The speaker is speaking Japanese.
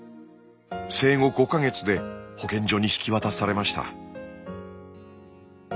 生後５か月で保健所に引き渡されました。